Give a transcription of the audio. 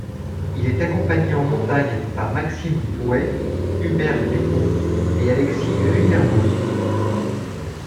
Il est accompagné en montagne par Maxime Bouet, Hubert Dupont et Alexis Vuillermoz.